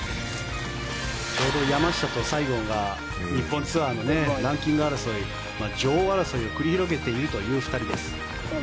山下と西郷が日本ツアーのランキング争い女王争いを繰り広げているという２人です。